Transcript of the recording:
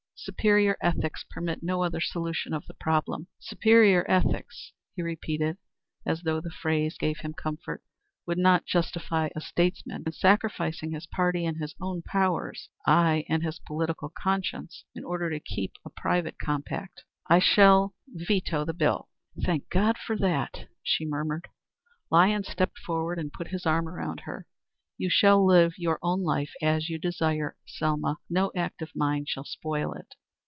Superior ethics permit no other solution of the problem. Superior ethics," he repeated, as though the phrase gave him comfort, "would not justify a statesman in sacrificing his party and his own powers aye, and his political conscience in order to keep a private compact. I shall veto the bill." "Thank God for that," she murmured. Lyons stepped forward and put his arm around her. "You shall live your own life as you desire, Selma. No act of mine shall spoil it."